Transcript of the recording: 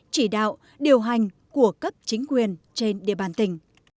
chỉ đạo điều hành của cấp chính quyền trên địa bàn tỉnh